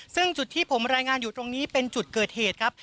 ซึ่งจุดที่ผมรายงานอยู่ตรงนี้เป็นจุดเกิดเหตุครับ